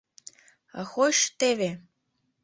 — А хошь — теве!